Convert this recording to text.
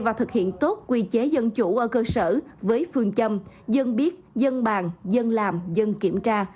và thực hiện tốt quy chế dân chủ ở cơ sở với phương châm dân biết dân bàn dân làm dân kiểm tra